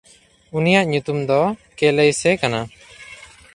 ᱩᱱᱤᱭᱟᱜ ᱧᱩᱛᱩᱢ ᱫᱚ ᱠᱮᱞᱟᱹᱭᱥᱮ ᱠᱟᱱᱟ᱾